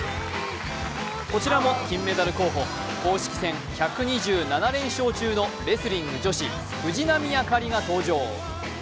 こちらも金メダル候補、公式戦１２７連勝中のレスリング女子・藤波朱理が登場。